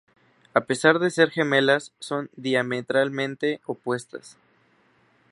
A pesar de ser gemelas son diametralmente opuestas.